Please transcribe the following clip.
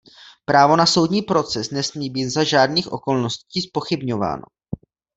Právo na soudní proces nesmí být za žádných okolností zpochybňováno.